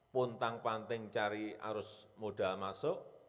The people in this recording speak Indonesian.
puntang panting cari arus modal masuk